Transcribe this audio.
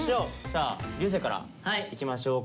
さあ流星からいきましょうか。